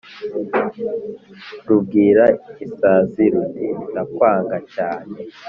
rubwira isazi ruti «ndakwanga cyane